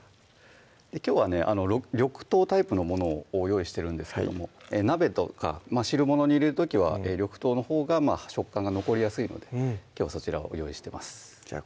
きょうはね緑豆タイプのものを用意してるんですけども鍋とか汁物に入れる時は緑豆のほうが食感が残りやすいのできょうはそちらを用意してますじゃあ